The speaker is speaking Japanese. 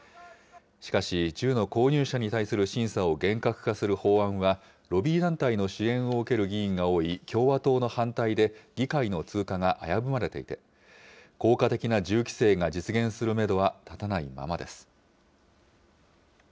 しかし、銃の購入者に対する審査を厳格化する法案はロビー団体の支援を受ける議員が多い共和党の反対で、議会の通過が危ぶまれていて、効果的な銃規制が実現するメドは立たないままです。